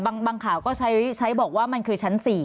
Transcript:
บางข่าวก็ใช้บอกว่ามันคือชั้น๔